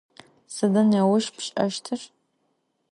Sıda nêuş pş'eştır?